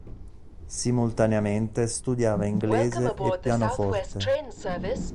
Simultaneamente studiava inglese e pianoforte.